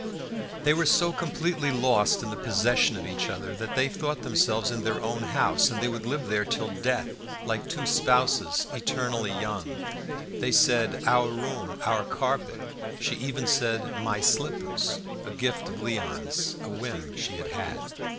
They were so completely lost in the possession of each other that they thought themselves in their own house, and that they would live there till death, like two spouses eternally young. They said "our room," "our carpet," she even said "my slippers," a gift of Léon's, a whim she had had.